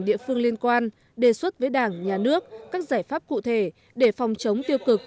địa phương liên quan đề xuất với đảng nhà nước các giải pháp cụ thể để phòng chống tiêu cực